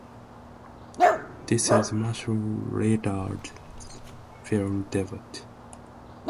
This is Matthew Lillard's film debut.